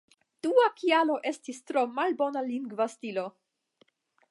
Dua kialo estis tro malbona lingva stilo.